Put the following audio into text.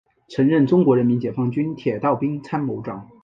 曾任中国人民解放军铁道兵参谋长。